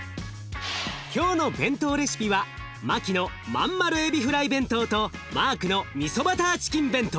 今日の弁当レシピはマキのまんまるエビフライ弁当とマークのみそバターチキン弁当。